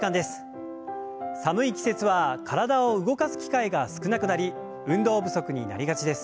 寒い季節は体を動かす機会が少なくなり運動不足になりがちです。